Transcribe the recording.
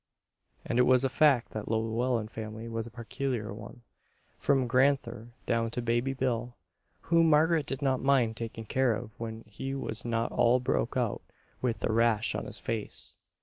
And it was a fact that the Llewellen family was a peculiar one, from "Gran'ther" down to Baby Bill, whom Margaret did not mind taking care of when he was not "all broke out with the rash on his face."